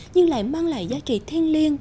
nhưng lại mang lại giá trị thiên liêng